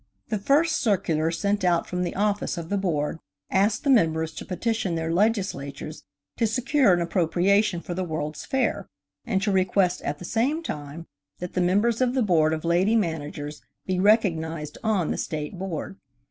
The first circular sent out from the office of the Board asked the members to petition their legislatures to secure an appropriation for the World's Fair, and to request at the same time that the members of the Board of Lady Managers be recognized on the State Board.